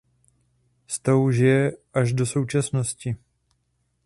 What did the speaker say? S tou žije až do současnosti.